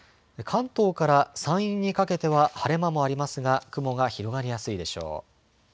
関東から山陰にかけては晴れ間もありますが雲が広がりやすいでしょう。